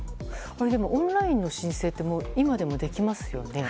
でも、オンラインの申請って今でもできますよね？